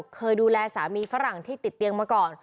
เคยดูแลสามีฝรั่งที่ติดเตียงมาก่อน